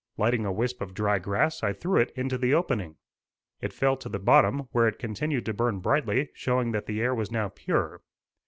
Lighting a wisp of dry grass, I threw it into the opening. It fell to the bottom, where it continued to burn brightly, showing that the air was now pure.